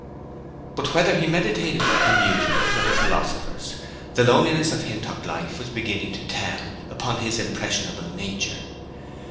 But whether he meditated the Muses or the philosophers, the loneliness of Hintock life was beginning to tell upon his impressionable nature.